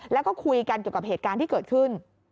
แล้วก็คุยกันเกี่ยวกับเหตุการณ์ที่เกิดขึ้น